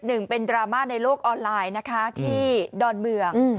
หนึ่งเป็นดราม่าในโลกออนไลน์นะคะที่ดอนเมือง